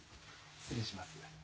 失礼します。